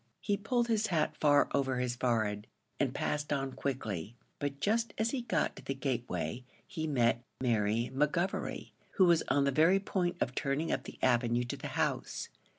He pulled his hat far over his forehead, and passed on quickly; but just as he got to the gateway he met Mary McGovery, who was on the very point of turning up the avenue to the house.